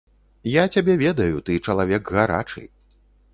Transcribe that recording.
Я цябе ведаю, ты чалавек гарачы.